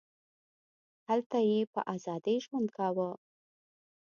هلته یې په ازادۍ ژوند کاوه.